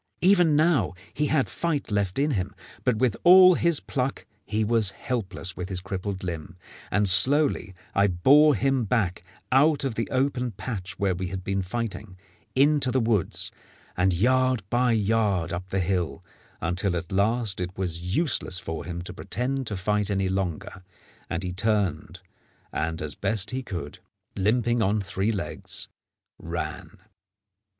Even now he had fight left in him; but with all his pluck he was helpless with his crippled limb, and slowly I bore him back out of the open patch where we had been fighting into the woods, and yard by yard up the hill, until at last it was useless for him to pretend to fight any longer, and he turned and, as best he could, limping on three legs, ran.